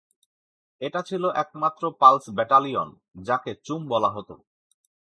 এটি ছিল একমাত্র 'পালস ব্যাটালিয়ন' যাকে 'চুম' বলা হতো।